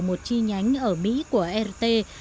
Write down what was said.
một chi nhánh ở mỹ của rt